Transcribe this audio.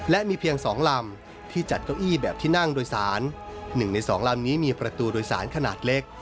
และมีเพียง๒ลำที่จัดเก้าอี้แบบที่นั่งโดยสาร๑ใน๒ลำนี้มีประตูโดยสารขนาดเล็ก